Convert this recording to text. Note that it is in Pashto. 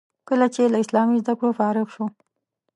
کله چې له اسلامي زده کړو فارغ شو.